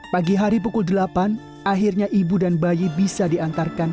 pagi hari pukul delapan akhirnya ibu dan bayi bisa diantarkan